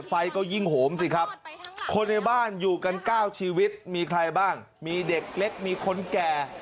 ไฟก็ยิ่งโหมสิครับคนในบ้านอยู่กัน๙ชีวิตมีใครบ้างมีเด็กเล็กมีคนแก่